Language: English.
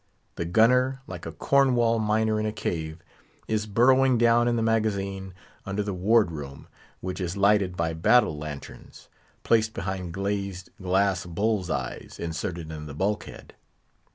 The Gunner, like a Cornwall miner in a cave, is burrowing down in the magazine under the Ward room, which is lighted by battle lanterns, placed behind glazed glass bull's eyes inserted in the bulkhead.